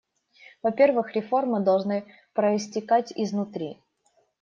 Во-первых, реформы должны проистекать изнутри.